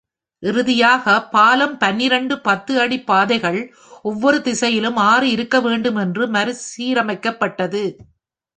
இறுதியாக, பாலம் பன்னிரண்டு பத்து அடி பாதைகள் ஒவ்வொரு திசையிலும் ஆறு இருக்க வேண்டும் என்று மறுசீரமைக்கப்பட்டது.